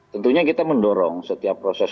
tentunya kita mendorong setiap proses